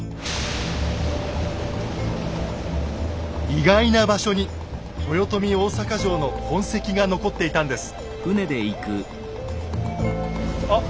意外な場所に豊臣大坂城の痕跡が残っていたんです。